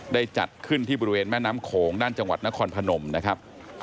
จัดขึ้นที่บริเวณแม่น้ำโขงด้านจังหวัดนครพนมนะครับ